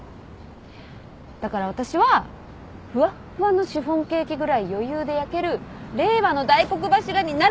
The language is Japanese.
だから私はふわっふわのシフォンケーキぐらい余裕で焼ける令和の大黒柱にならねばなのよ！